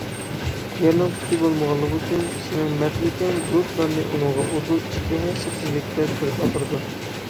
يەرنىڭ پۇتى بولمىغانلىقى ئۈچۈن سېنىڭ مەرتلىكىڭ بۇلۇتلارنى ئۇنىڭغا ئۇدۇل ئىككى ھەسسە تېزلىكتە سۈرۈپ ئاپىرىدۇ.